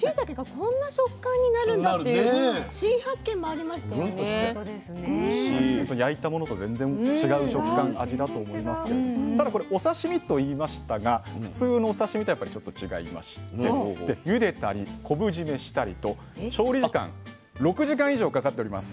やっぱ焼いたものと全然違う食感味だと思いますけれどただこれお刺身と言いましたが普通のお刺身とはちょっと違いましてゆでたり昆布締めしたりと調理時間６時間以上かかっております。